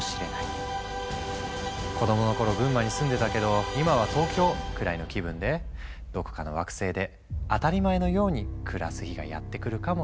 「子供の頃群馬に住んでたけど今は東京」くらいの気分でどこかの惑星で当たり前のように暮らす日がやって来るかもしれないね。